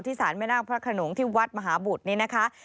สารแม่นาคพระขนงที่วัดมหาบุตรนี่นะคะ